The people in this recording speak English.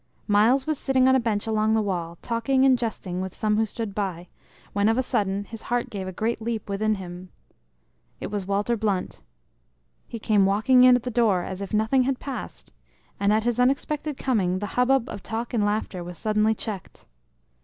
Myles was sitting on a bench along the wall, talking and jesting with some who stood by, when of a sudden his heart gave a great leap within him. It was Walter Blunt. He came walking in at the door as if nothing had passed, and at his unexpected coming the hubbub of talk and laughter was suddenly checked.